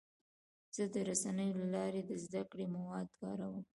زه د رسنیو له لارې د زده کړې مواد کاروم.